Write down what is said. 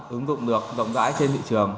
ứng dụng được rộng rãi trên thị trường